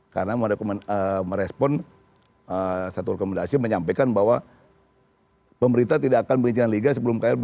karena merespon satu rekomendasi menyampaikan bahwa pemerintah tidak akan berizinan liga sebelum klb